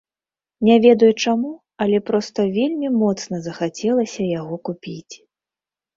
Не ведаю чаму, але проста вельмі моцна захацелася яго купіць.